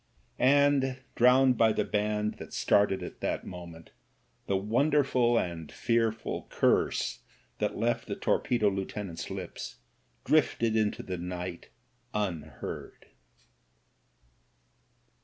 And, drowned by the band that started at that mo ment, the wcMiderful and fearful curse that left the torpedo lileutenant's lips drifted into the night un heard.